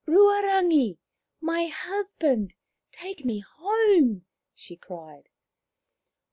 " Ruarangi ! My husband ! Take me home," she cried.